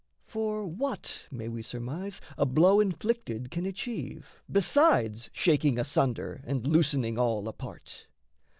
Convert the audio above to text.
For what may we surmise A blow inflicted can achieve besides Shaking asunder and loosening all apart?